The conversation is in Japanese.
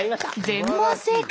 全問正解！